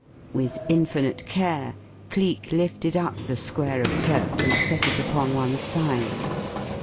With infinite care Cleek lifted up the square of turf and set it upon one side.